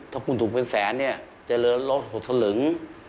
ถ้าคุณถูกเป็นแสนเนี่ยเจริญลด๖สลึง